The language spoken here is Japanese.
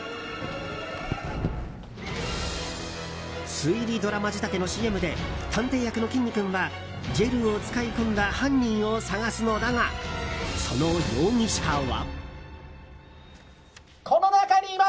推理ドラマ仕立てのＣＭで探偵役のきんに君はジェルを使い込んだ犯人を捜すのだがその容疑者は。